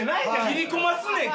切り込ますねん。